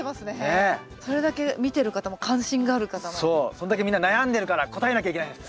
そんだけみんな悩んでるから答えなきゃいけないんです。